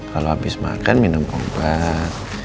kalau habis makan minum obat